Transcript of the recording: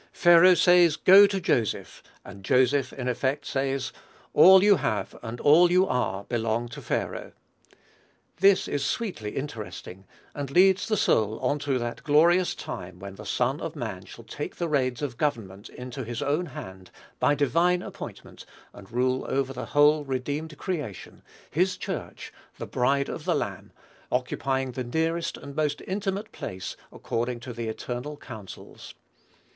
Pharaoh says, "Go to Joseph," and Joseph, in effect, says, "all you have and all you are belong to Pharaoh." This is sweetly interesting, and leads the soul on to that glorious time when the Son of man shall take the reins of government into his own hand, by divine appointment, and rule over the whole redeemed creation, his Church the bride of the Lamb occupying the nearest and most intimate place, according to the eternal counsels.